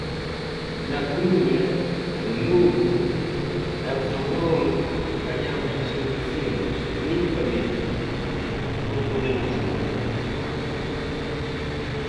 Na Coruña, en Lugo e en Ferrol gañamos as eleccións limpamente, non podemos gobernar.